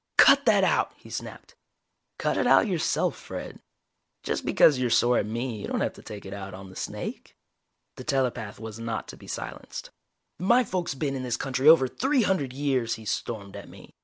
"Cut that out!" he snapped. "Cut it out yourself, Fred," I said. "Just because you're sore at me, you don't have to take it out on the snake." The telepath was not to be silenced. "My folks been in this country over three hundred years," he stormed at me.